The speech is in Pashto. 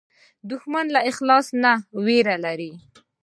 دښمن له اخلاص نه وېره لري